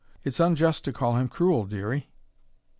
It's unjust to call him cruel, Dearie!"